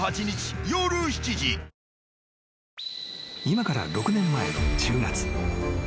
［今から６年前の１０月］